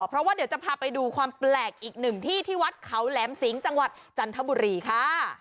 เพราะว่าเดี๋ยวจะพาไปดูความแปลกอีกหนึ่งที่ที่วัดเขาแหลมสิงห์จังหวัดจันทบุรีค่ะ